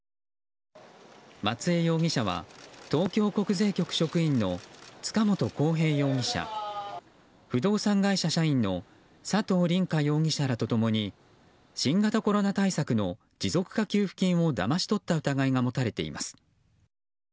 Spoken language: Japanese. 松江容疑者は東京国税局職員の塚本晃平容疑者不動産会社社員の佐藤凛果容疑者らと共に新型コロナ対策の持続化給付金をだまし取った疑いが持たれています。